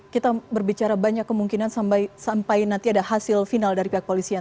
kita berbicara banyak kemungkinan sampai nanti ada hasil final dari pihak polisian